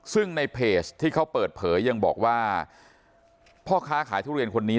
ซึ่งในเพจที่เขาเปิดเผยยังบอกว่าพ่อค้าขายทุเรียนคนนี้